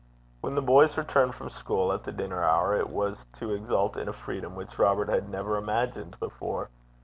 When the boys returned from school at the dinner hour, it was to exult in a freedom which Robert had never imagined before.